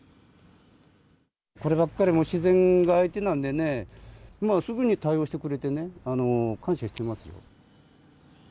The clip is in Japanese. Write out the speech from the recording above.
こればっかりは自然が相手なんでね、すぐに対応してくれてね、感謝してますよ。